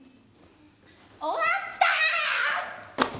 終わった！